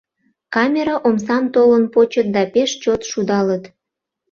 Камера омсам толын почыт да пеш чот шудалыт.